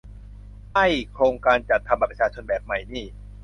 ไอ้ "โครงการจัดทำบัตรประชาชนแบบใหม่" นี่